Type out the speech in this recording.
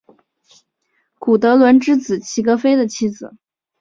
古德伦之子齐格菲的妻子。